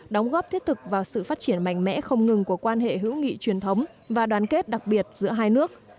đóng góp thiết thực vào sự phát triển mạnh mẽ không ngừng của quan hệ hữu nghị truyền thống và đoàn kết đặc biệt giữa hai nước